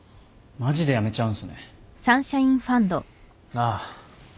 ああ。